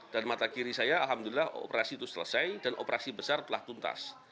dan mata kiri saya alhamdulillah operasi itu selesai dan operasi besar telah tuntas